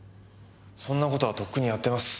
そんな事はとっくにやってます。